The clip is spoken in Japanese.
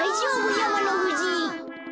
やまのふじ。